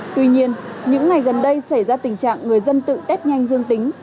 tuy nhiên những ngày gần đây xảy ra tình trạng người dân tự test nhanh dương tính